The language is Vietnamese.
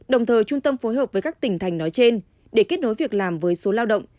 đồng thời trung tâm phối hợp với các tỉnh thành nói trên để kết nối việc làm với số lao động